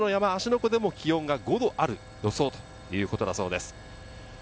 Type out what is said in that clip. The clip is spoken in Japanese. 湖でも気温５度がある予想ということだそうです。